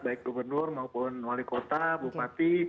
baik gubernur maupun wali kota bupati